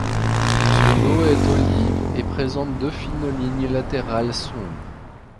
Son dos est olive et présente deux fines lignes latérales sombres.